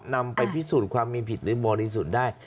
นำไปพิสูจน์ความมีผิดหรือบริสุทธิ์ได้